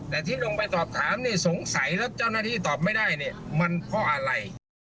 แต่ที่ลงไปสอบถามเนี่ยสงสัยแล้วเจ้าหน้าที่ตอบไม่ได้เนี่ยมันเพราะอะไร